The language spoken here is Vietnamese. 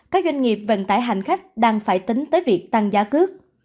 các doanh nghiệp vận tải hành khách đang phải tính tới việc tăng giá cước